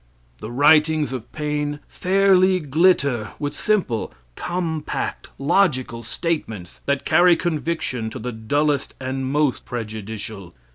The Writings of Paine fairly glitter with simple, compact, logical statements that carry conviction to the dullest and most prejudicial.